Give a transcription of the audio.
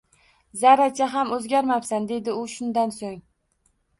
Zarracha ham oʻzgarmabsan, – dedi u shundan soʻng.